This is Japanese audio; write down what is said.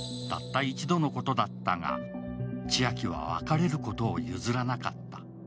たった一度のことだったが、千晶は別れることを譲らなかった。